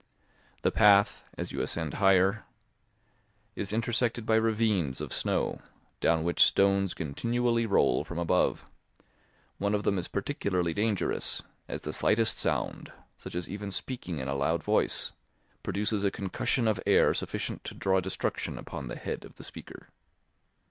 The path, as you ascend higher, is intersected by ravines of snow, down which stones continually roll from above; one of them is particularly dangerous, as the slightest sound, such as even speaking in a loud voice, produces a concussion of air sufficient to draw destruction upon the head of the speaker.